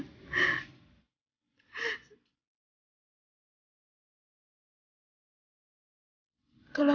kalau aku mau nangis